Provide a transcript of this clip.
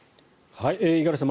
五十嵐さん